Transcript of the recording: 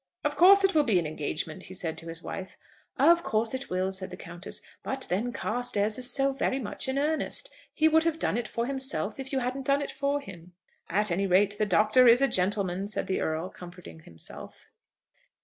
"Of course it will be an engagement," he said to his wife. "Of course it will," said the Countess. "But then Carstairs is so very much in earnest. He would have done it for himself if you hadn't done it for him." "At any rate the Doctor is a gentleman," the Earl said, comforting himself.